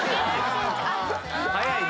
⁉早いね！